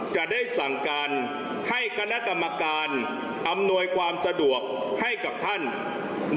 จะได้สั่งการให้คณะกรรมการอำนวยความสะดวกให้กับท่าน